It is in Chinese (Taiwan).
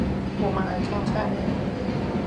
我們來看看